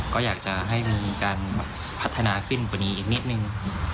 ก็อยากจะให้มีการพัฒนาขึ้นกว่านี้อีกนิดนึง